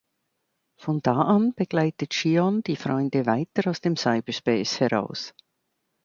Von da an begleitet Shion die Freunde weiter aus dem Cyberspace heraus.